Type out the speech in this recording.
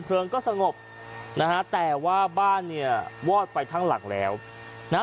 ก็สงบนะฮะแต่ว่าบ้านเนี่ยวอดไปทั้งหลังแล้วนะฮะ